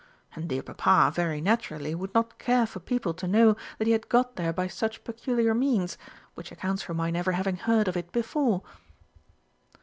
And dear Papa very naturally would not care for people to know that he had got there by such peculiar means, which accounts for my never having heard of it before."